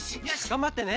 がんばってね。